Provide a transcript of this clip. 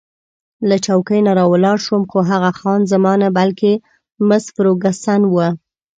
له چوکۍ نه راولاړ شوم، خو هغه خان زمان نه، بلکې مس فرګوسن وه.